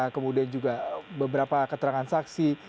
kemudian juga beberapa keterangan saksi